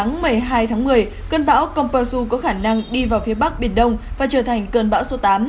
ngày một mươi một một mươi hai một mươi cơn bão compasso có khả năng đi vào phía bắc biển đông và trở thành cơn bão số tám